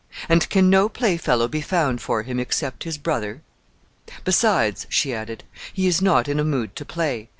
And can no playfellow be found for him except his brother? "Besides," she added, "he is not in a mood to play.